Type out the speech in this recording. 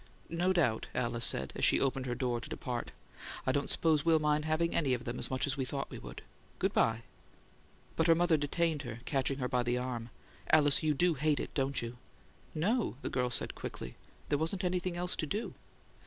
"No doubt," Alice said, as she opened her door to depart. "I don't suppose we'll mind having any of 'em as much as we thought we would. Good bye." But her mother detained her, catching her by the arm. "Alice, you do hate it, don't you!" "No," the girl said, quickly. "There wasn't anything else to do."